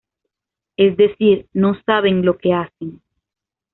Es decir, no saben lo que hacen.